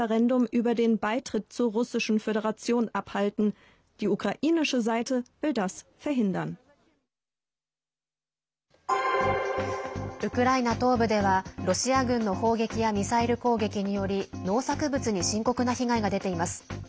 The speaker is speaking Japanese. ウクライナ東部ではロシア軍の砲撃やミサイル攻撃により農作物に深刻な被害が出ています。